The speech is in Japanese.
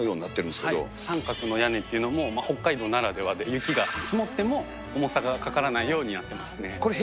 三角の屋根っていうのも、北海道ならではで、雪が積もっても重さがかからないようになってますね。